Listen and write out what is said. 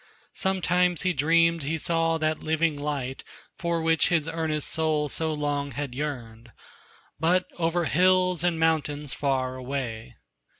Sometimes he dreamed he saw that living light For which his earnest soul so long had yearned But over hills and mountains far away.